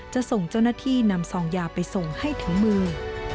จะส่งเจ้าหน้าที่นำซองยาไปส่งให้ถึงมือ